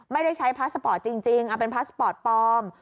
ไม่ได้ใช้พาสปอร์ตจริงเป็นพาสปอร์ตปลอม